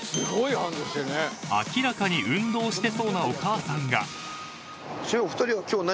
［明らかに運動してそうなお母さんが］